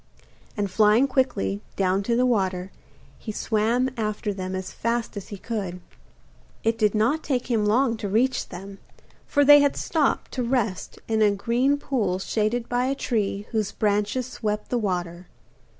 And flying quickly down to the water, he swam after them as fast as he could. It did not take him long to reach them, for they had stopped to rest in a green pool shaded by a tree whose branches swept the water.